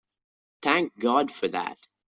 Thank God for that!